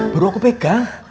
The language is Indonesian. baru aku pegang